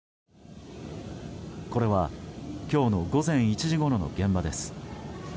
これは、今日の午前１時ごろの現場です。